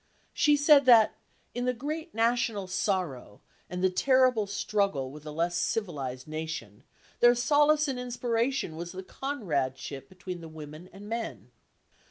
She said that, in the great national sorrow and the terrible struggle with a less civilised nation, their solace and inspiration was the comradeship between the women and men.